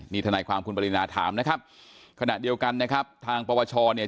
นี่ทนายความคุณปรินาถามนะครับขณะเดียวกันนะครับทางปวชเนี่ย